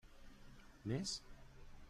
Més?